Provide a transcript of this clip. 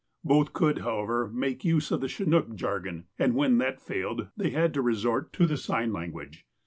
Both could, however, make use of the "Chinook" jargon, and, when that failed, they had to resort to the sign language.